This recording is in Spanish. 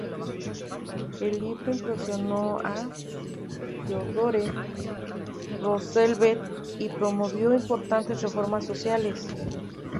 El libro impresionó a Theodore Roosevelt, y promovió importantes reformas sociales.